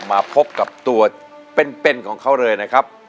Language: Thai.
มาพบกับตัวเป็นของเขาเลยนะครับ